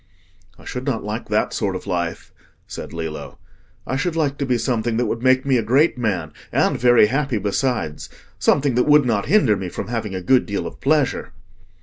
"I should not like that sort of life," said Lillo. "I should like to be something that would make me a great man, and very happy besides—something that would not hinder me from having a good deal of pleasure."